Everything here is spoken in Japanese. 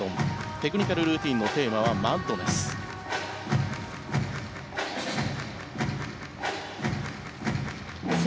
テクニカルルーティンのテーマはマッドネス。